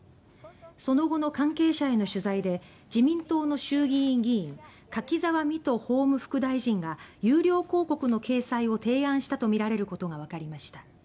その後の関係者への取材で自民党の衆議院議員柿沢未途法務副大臣が有料広告の掲載を提案したとみられることがわかりました。